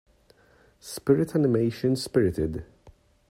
Spirit animation Spirited